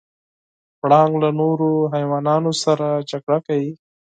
پړانګ له نورو حیواناتو سره جګړه کوي.